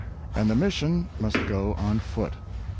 And the mission must go on foot.